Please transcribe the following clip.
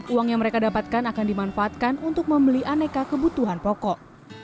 uang yang mereka dapatkan akan dimanfaatkan untuk membeli aneka kebutuhan pokok